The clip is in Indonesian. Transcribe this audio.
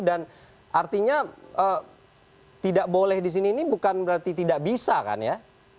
dan artinya tidak boleh di sini ini bukan berarti tidak bisa kan ya